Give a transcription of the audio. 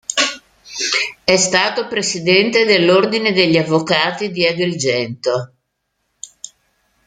È stato presidente dell'Ordine degli avvocati di Agrigento.